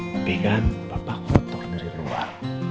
tapi kan bapak kotor dari luar